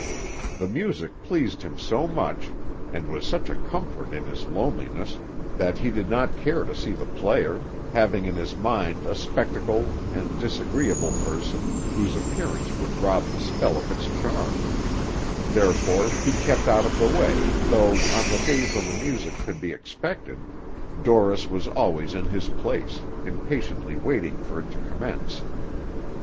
The music pleased him so much, and was such a comfort in his loneliness, that he did not care to see the player, having in his mind a spectacled and disagreeable person whose appearance would rob the spell of its charm; therefore he kept out of his way, though, on the days when the music could be expected, Dorris was always in his place, impatiently waiting for it to commence.